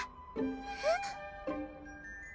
えっ？